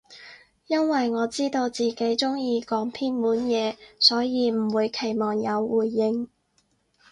因爲我知道自己中意講偏門嘢，所以唔會期望有回應